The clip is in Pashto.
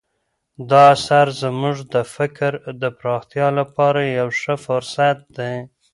دا اثر زموږ د فکر د پراختیا لپاره یو ښه فرصت دی.